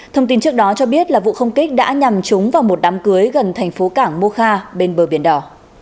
thông tin trước đó cho biết là vụ không kích đã nhằm chúng vào một đám cưới gần thành phố cảng mô kha bên bờ biển đỏ